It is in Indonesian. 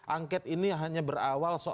angket ini hanya berawal soal